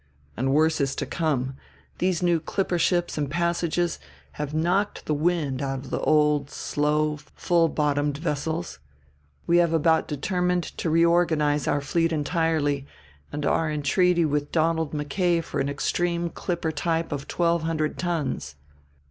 And worse is to come these new clipper ships and passages have knocked the wind out of the old slow full bottomed vessels. We have about determined to reorganize our fleet entirely, and are in treaty with Donald McKay for an extreme clipper type of twelve hundred tons.